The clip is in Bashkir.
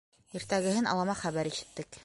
Иртәгеһен алама хәбәр ишеттек.